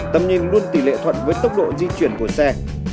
tầm nhìn luôn tỷ lệ thuận với tốc độ di chuyển của xe